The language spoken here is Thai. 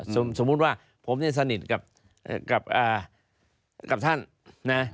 สมมุติว่าผมเนี่ยสนิทกับท่านนะ